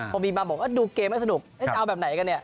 พอมีมาบอกว่าดูเกมไม่สนุกจะเอาแบบไหนกันเนี่ย